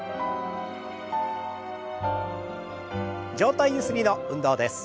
上体ゆすりの運動です。